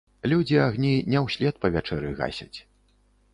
Людзі агні не ўслед па вячэры гасяць.